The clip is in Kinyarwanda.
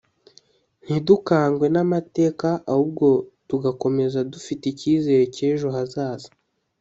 ntidukangwe n’amateka ahubwo tugakomeza dufite icyizere cy’ejo hazaza